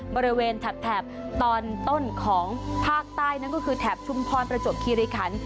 แถบตอนต้นของภาคใต้นั่นก็คือแถบชุมพรประจวบคิริคัน